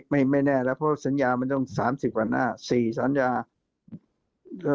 ไม่ไม่แน่แล้วเพราะสัญญามันต้อง๓๐กว่าหน้า๔สัญญา